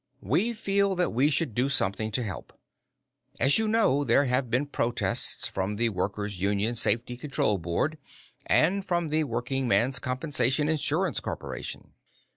We feel that we should do something to help. As you know, there have been protests from the Worker's Union Safety Control Board and from the Workingman's Compensation Insurance Corporation."